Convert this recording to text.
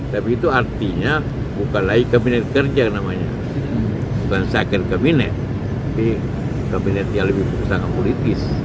tapi itu artinya bukan lagi kabinet kerja namanya bukan second cabinet tapi kabinetnya lebih berusaha ke politis